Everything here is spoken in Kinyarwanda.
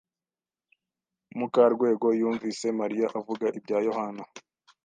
Mukarwego yumvise Mariya avuga ibya Yohana.